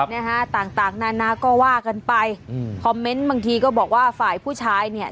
นะฮะต่างต่างนานาก็ว่ากันไปอืมคอมเมนต์บางทีก็บอกว่าฝ่ายผู้ชายเนี่ย